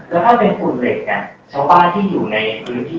แล้วถ้าเป็นคุณเหล็กเนี่ยชาวบ้านที่อยู่ในพื้นที่